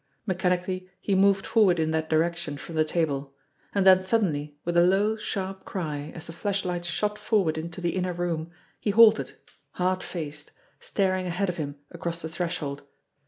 Mechanically he moved forward in that direction from the table; and then suddenly, with a low, sharp cry, as the flashlight shot forward into the inner room, he halted, hard faced, staring ahead of him across the threshold.